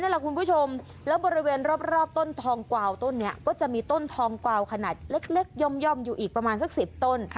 แหละคุณผู้ชมแล้วบริเวณรอบต้นทองกวาวต้นนี้ก็จะมีต้นทองกวาวขนาดเล็กย่อมอยู่อีกประมาณสัก๑๐ต้น